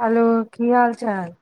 Hello की हाल चाल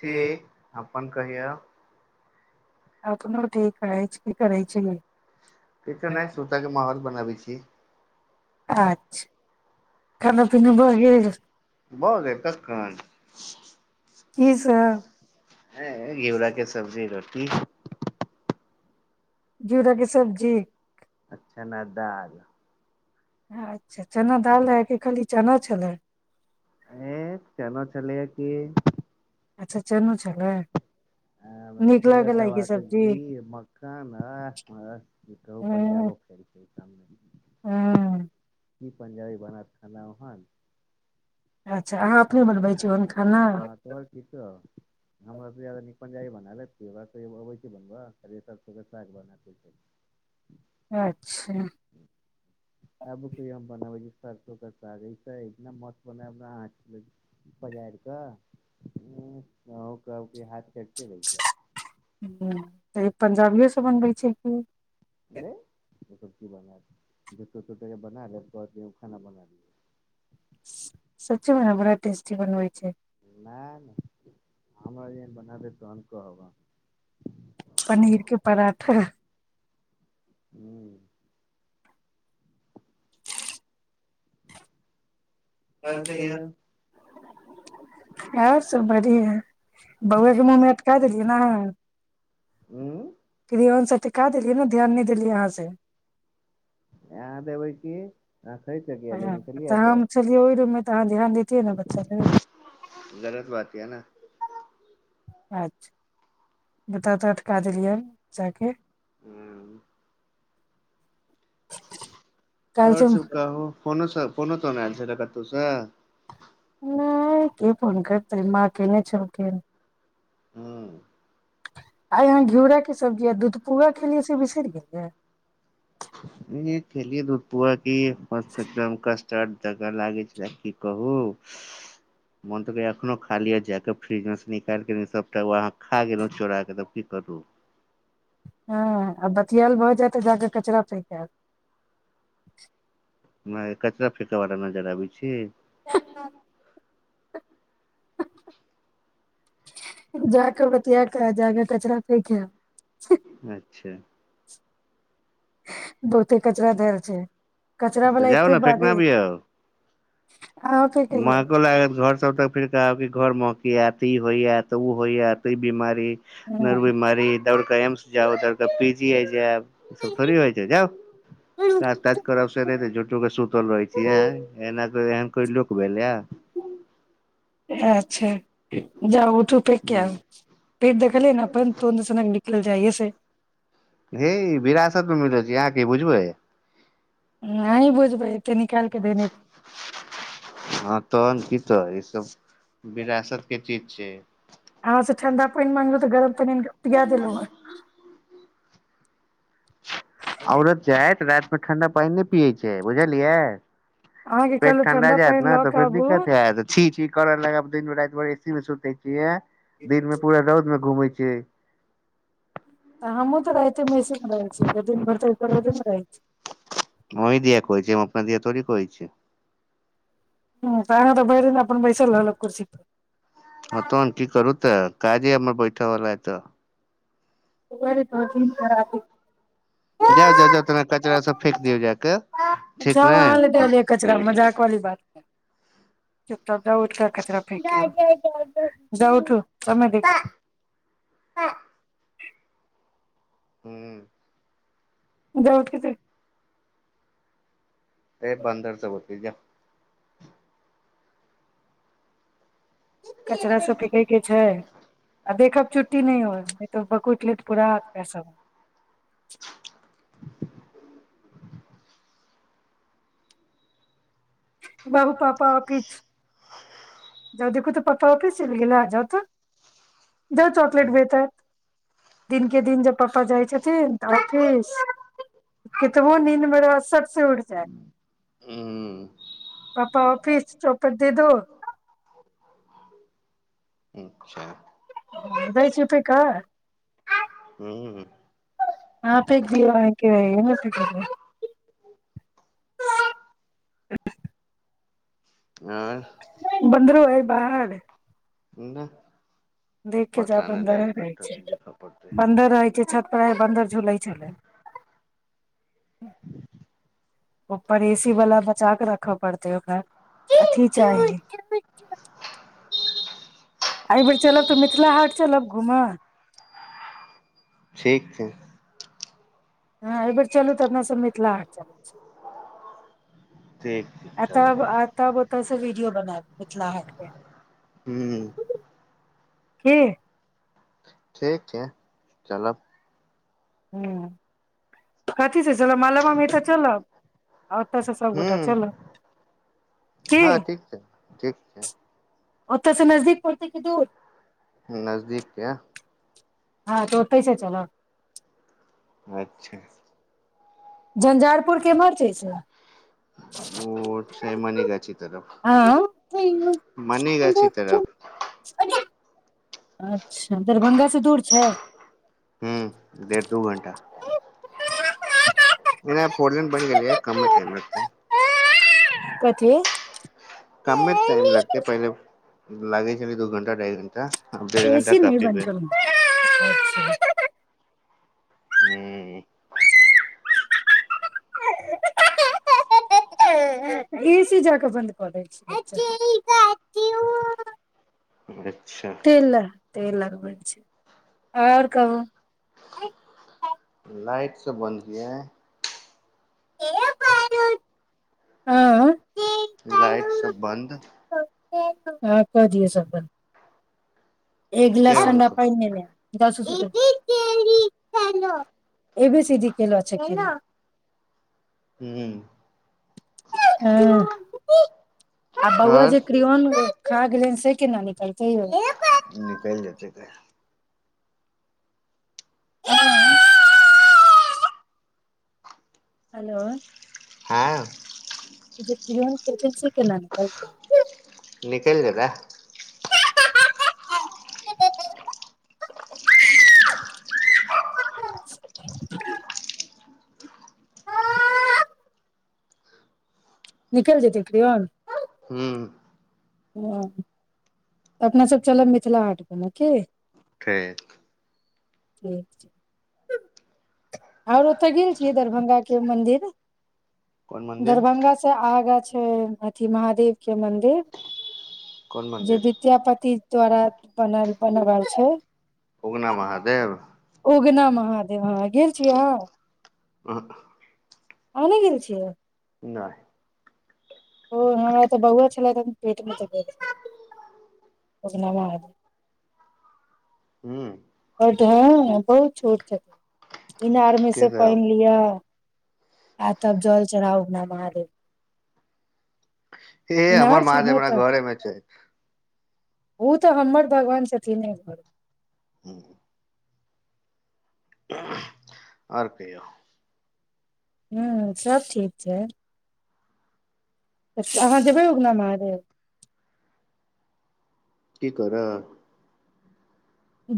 से अपन कहिया अप ओठी कहै छी की करै छी पछो नहि सुूता क माहौल बनाबै छीिय अच्छा बहुे तककन की सब हँ घेउरााक के सब्जी रोटी जीरा के सब्जी आ चना दाल हँ ए चना छलल क अच्छा चनू छलै आ नीक दो लागल अइ दवा कि त सब्जी घीर मखन अ कह हँ पंजाबो फर छै हँ की पं्जाबी बन खाना ओ हन अच्छा अहाँ अपने बनबै छी ओहन खाना हँ तो की हमरा त निकन जाइ ब पेा त अबै छै बनब सब साग बना अच्छा आबु कहि आम प न बजे सरसो के सााग इतना मस्त ब पजार क कह हाथ रहि गेल हू तऽ पंजाबियो से बनबै छै की नहि ब जोट बना रहे खाना बना दिय सच्चे मने बड़ा टस्टी बन होइ छै नहि नहि हमरा जेन बनाबै तहन कहब पनीरके पराठा ह्म आओर सहिए आर सब बढ़ि है बौएके मुँहमे अटका देलियै ने हू फ ओन सटिका देलियै ने ध्यान नहि देलियै अहाँ से ए देबै क हँ तऽ हम चलियै ओहि रूममे तऽ अहाँ ध्यान देैतियै ने बच्चा ल गलत बात यऽ ने अचछा बता तऽ अटका देलियै जााक ह्म काल्हि आओर सब से कह हो होनो सब कोन तनाल से क तूस नहि की फोन करतै म केने छलौ के हू आ यहाँ घिउरा के सब्जी य दूध पुआा खेलियै से बिसरि गेलै खेलियै दूध पुआ ई म्त एकदम कष्ट च जगह लागै छै की कहू मन तऽ एखनो खाली जा कऽ फ्रीज मे निकाल सबटा खा गेलहुँ चोराके त की करू हँ ियल भऽ जात त जाके कचड़ा फकल [unintelligible] म कचरा फेेक बलाा नजर आबै छी ह जाक बत जााक कचरा फेकय अच्छा बहुते कचराा धर छै कचरा वलाा तऽ जाउ एते ने फेकना बारे अबियौ महको लागत घर सब तक फिर कहब घर महक कि अती होइ य तऽ ओ होइ यै त बीमारी नर बीमार दौड़ कऽ एम्स जाउ दौड़ कऽ पी जी आइ जायब सब फरी होइ छै जाउ काज ताज करावस नहि त त क सु रहै छी ह एना [unintelligible] कोइ लुक बै लय अच्छा जाउ उठू फेेक आ पेट दकले ने अपन तो ने सनग निकल जाइ से की बुझबै नहि बोझ भै के निकाल के देने छै हँ तहन की तऽ ई सब विरासत के चीज चे अहाँ से ठंडा पानि मांगलहु तऽ गरम पानि पिया देलहुँ हेँ [unintelligible] अओरत जायत रातमे ठण्डा पइने पियै छैय बुझलियै। अहाँके पेट कहलहु ठण्डा ठंडा जायत पानि ने लऽ त के फेर आबू दिक्कत हैत, त छी छी करऽ लगाब दिन रति भर ए सी मे सुततै छिया। दिनमे पूरा रौदमे घुमै जे तऽ हमहु तऽ राइतेमें ए सी में रहै छियै दिन भर त एकमे रहै छी। आही दिया कहै छी हम अपना दिय थोड़ी कहै छी। ह त तऽ बैर ने अपन बैसल खुर्सीप हँ तहन की करू तऽ? काजे हमर बैठ वाला अय तऽ जाउ जाउ जाउ तना कचराा सब फेेक दियौ जााक ठीक ने। कलीय बात। चुप चाप जाउ उठिक कचरा फेकके आउ जाऊ उठू समय दे हू जाऊ उठी के जा ए बन्दर सब होतै जा [inaudible] कचराा सभ फेकैके छैय आ देखब चुट्टी नहि होय नहि तऽ बकुटि लेत पूरा हाथ पैर सब। बाबू पापा [unintelligible] जाउ देखू तऽ पापा द चॉकलट [unintelligible] दिन के दिन जब पापा जाइ छथिन तऽ ऑफिस कितबो नीन्द में रहत सटसे उठि जायत ह पापा ऑफिस [unintelligible] दे दो अच्छा दै छैय पैक हू [unintelligible] अर बन्दरो अइ बाहर? नहि देख के जाब पता बन्दरे लाइट रहै छै कटतै देखऽ पड़तै बन्दर रहै छै प्राय बन्दर झुलै छलै ह्म ऊपर एसी वला बचा क रखब पड़त हो खर अथी चाही एहि बेेर चलब तऽ मिथिला हाट चलब घूमऽ ठीक छै हँ एहि बेेर चलू तऽ अपनासभ मिथिला हाट चलै छै ठीक छै ए त चलू ए तब ओत सब बना मिथिलला है हू की ठीक छै चलब ह कथी छै चल मल म मेत चलब आ ओतऽ से ह सबगोटा चल क हँ ठीक छै ठीक छै ओतऽ से नजदीक पड़त की दूर नजदीकके हँ तऽ ओते छै चल अच्छा झंझारपुर केमहर छै से ओ छै मने क आ मनिगाछी तरफ अच्छा दरभंगासँ दूर छै हू देडढ़ दू घण्टा नहि नहि फोर् लिन बनि गेलियै कममे टाइम लगत है कथी कम मे टाइम लगतेै पहिले लागे छल दू घण्टा ढाइ घण्टा एसी नहि बनत हू एसी जक बन्द कॉलेज अच्छा ते लगबै छै आओर कहू लाइट सब बन्द क हँ लाइट सब बन्द ह कऽ दियए सब एक ग्िलस किया बन्द ठणडा क पान ने ए सिडी केेल ह्म हँ आ ह बौआ जे आओर क्रवन खाग गेलेन सेके नानी त निकलि जेतै क हँ हेलो हँ जे च चसे न निकलि जेतै [unintelligible] निकल जेतै कि हू हँ अपनासभ चलब मिथिला हाट गमे की ठीक ठीक छै आओर ओतय गेल छियै दरभंगा के मन्दिर कोन मन्दिर दरभंगा से आगा छै अथी महादेव के मन्दिर कोन जे मन्दिर विद्यापति दोराा बन बनब छै उगना महादेव उगना महादेव हह गेल छीिय अहाँ आने गेल छियै नहि ओ हमरा तऽ बौआ छल पेट मे उगना ह ह बहुत छोट इनार में से के सब पहिन लियअ आ तब जल चढ़ाउ न महादेव ए हमर इनार म छै ने तरा ओतऽ घरमे छै ओ तऽ हमर भगवान छथिन घर ह्म आर को ह सब ठीक छै त अहाँ जेबै उगना महादेव की कर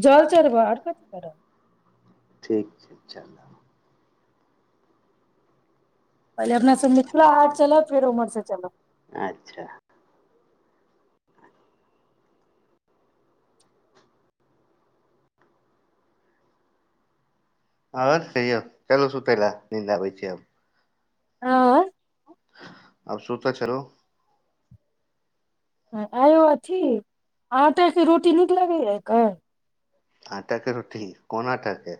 जल चरब आर कथ कर ठीक छै इछा् पहिले अपना सब मिथिला हाट चलब फेर उम्हर से चलब अच्छा आओ कहियौ चलू सुतै लए नींन्द आबै छीिय हम आँ आब सुताऽ छललो आौ अथी आटाके रोटी नीक लगैए कन आटा के रोटी कोन आटा के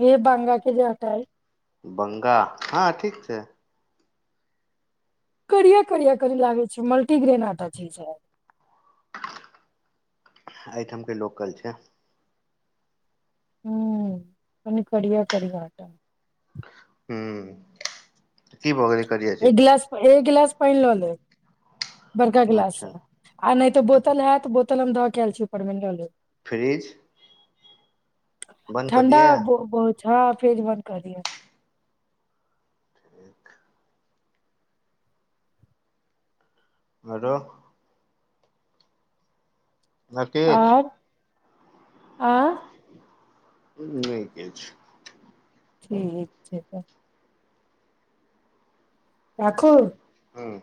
ह बंगा के जाट बंगा हँ ठीक छै करिया करिया करी लागै छै मल्टीग्रेन आटा छै ई सब एहि ठाम के लोकल छै हू कनी करिया करिया आटा ह कि भऽ गेलै करिया एक गिलास चीज एक गिलास पानि लऽ लेब बड़का गिलास अच्छा से आ नहि तऽ बोतल हैत बोतल हम धऽ के एल छियै ऊपरमे लऽ लेब फ्रिज बन्द कऽ ठण्डा दियै बहुत छौड़ा आर फ्रिज बन्द कऽ दै यै [unintelligible] आरो न किछ आओर आ नहि किछ ठीक छै [unintelligible] राखू ह्म